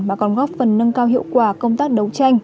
mà còn góp phần nâng cao hiệu quả công tác đấu tranh